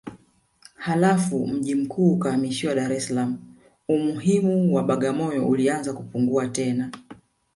Halafu mji mkuu ukahamishwa Dar es Salaam Umuhimu wa Bagamoyo ulianza kupungua tena